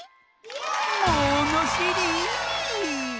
ものしり！